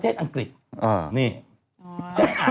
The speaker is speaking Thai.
จากธนาคารกรุงเทพฯ